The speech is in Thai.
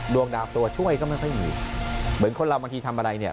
ดวงดาวตัวช่วยก็ไม่ค่อยมีเหมือนคนเราบางทีทำอะไรเนี่ย